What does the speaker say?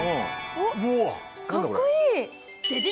おっかっこいい！